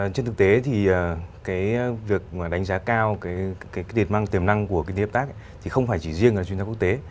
trên thực tế thì việc đánh giá cao tiềm năng của kinh tế hợp tác thì không phải chỉ riêng là chuyên gia quốc tế